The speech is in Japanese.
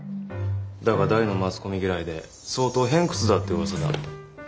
だが大のマスコミ嫌いで相当偏屈だってうわさだ。